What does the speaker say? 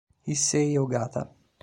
Issei Ogata